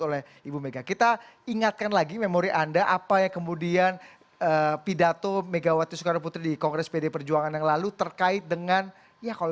orang dalam kongres pdi perjuangan materialvol